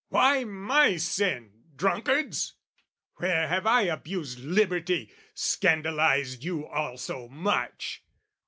Why my sin, drunkards? Where have I abused Liberty, scandalised you all so much?